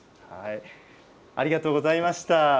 ありがとうございます。